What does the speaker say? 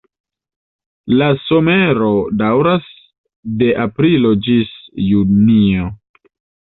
La somero daŭras de aprilo ĝis junio.